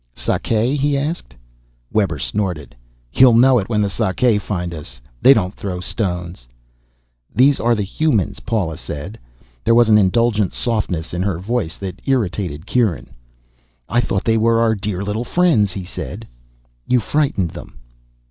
"Sakae?" he asked. Webber snorted. "You'll know it when the Sakae find us. They don't throw stones." "These are the humans," Paula said. There was an indulgent softness in her voice that irritated Kieran. "I thought they were our dear little friends," he said. "You frightened them."